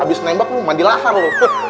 abis nembak mandi lahar lo